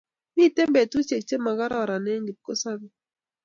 miten betushiek che makararan en kipkosabe.